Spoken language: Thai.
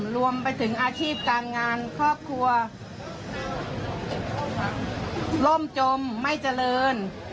รวมไปถึงอาชีพการงานครอบครัวร่มจมไม่เจริญ